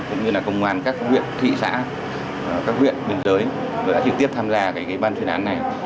cũng như là công an các huyện thị xã các huyện biên giới đã trực tiếp tham gia ban chuyên án này